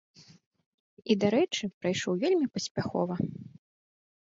І, дарэчы, прайшоў вельмі паспяхова.